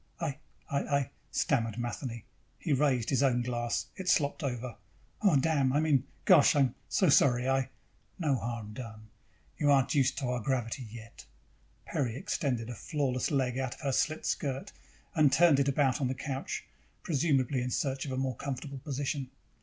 "I, I, I," stammered Matheny. He raised his own glass. It slopped over. "Oh, damn! I mean ... gosh, I'm so sorry, I " "No harm done. You aren't used to our gravity yet." Peri extended a flawless leg out of her slit skirt and turned it about on the couch, presumably in search of a more comfortable position.